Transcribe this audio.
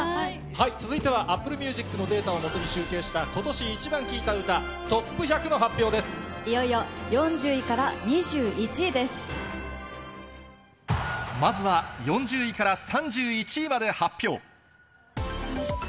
続いては、アップルミュージックのデータを基に集計した今年イチバン聴いた歌トップ１００のいよいよ４０位から２１位でまずは４０位から３１位まで発表。